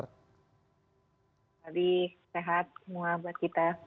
tadi sehat semua buat kita